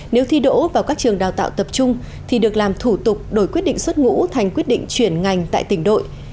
nếu thi đỗ vào các trường đào tạo tập trung thì được làm thủ tục đổi quyết định xuất ngũ thành quyết định chuyển ngành tại tỉnh đội